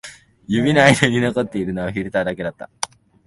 指の間に残っているのはフィルターだけだった